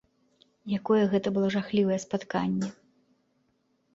Якое гэта было жахлівае спатканне!